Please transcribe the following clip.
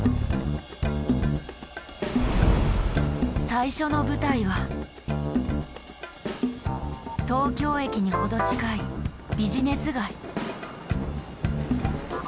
最初の舞台は東京駅にほど近いビジネス街。